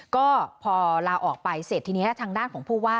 ก็พอลาออกไปเสร็จทีนี้ทางด้านของผู้ว่า